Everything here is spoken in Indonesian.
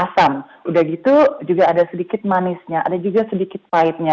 udah gitu juga ada sedikit manisnya ada juga sedikit pahitnya